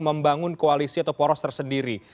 membangun koalisi atau poros tersendiri